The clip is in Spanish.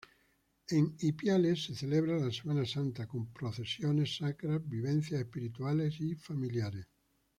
En Ipiales se celebra la Semana Santa, con procesiones sacras, vivencias espirituales y familiares.